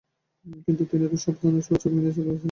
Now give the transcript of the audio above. কিন্তু তিনি তো খুব সাবধানে ছোঁয়াছুঁয়ি মেনে চলেন বলেই মনে হয়।